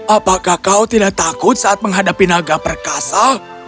apakah kau tidak takut saat menghadapi naga perkasa